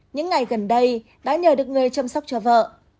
những ngày gần đây đã nhờ được người chăm sóc cho vợ